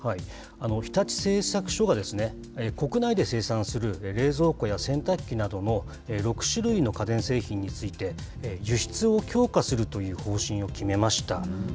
日立製作所が、国内で生産する冷蔵庫や洗濯機などの６種類の家電製品について、輸出を強化するという方針を決めました。